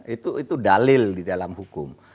itu dalil di dalam hukum